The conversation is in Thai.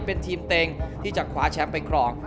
เป็นทีมเต็งที่จะคว้าแชมป์ไปครอง